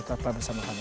kita telah bersama sama